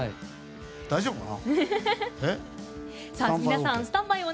大丈夫かな？